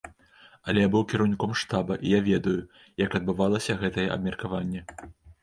Але я быў кіраўніком штаба і я ведаю, як адбывалася гэтае абмеркаванне.